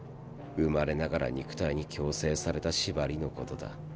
生まれながら肉体に強制された縛りのことだ。